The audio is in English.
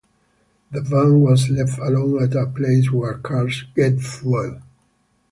The van was left alone at a place where cars get fuel.